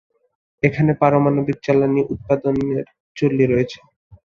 এখানে পারমাণবিক জ্বালানি উৎপাদনের চুল্লী রয়েছে।